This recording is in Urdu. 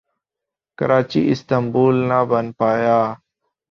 کراچی استنبول نہ بن پایا